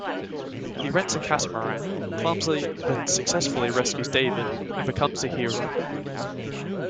He rents a catamaran, clumsily but successfully rescues David, and becomes a hero.